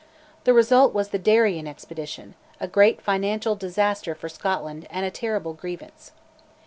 The result was the Darien Expedition, a great financial disaster for Scotland, and a terrible grievance.